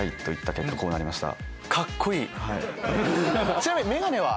ちなみに眼鏡は？